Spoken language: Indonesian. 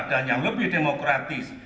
dan yang lebih demokratis